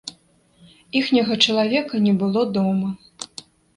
Іхняга чалавека не было дома.